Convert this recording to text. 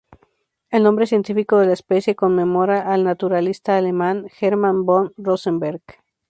El nombre científico de la especie conmemora al naturalista alemán Hermann von Rosenberg.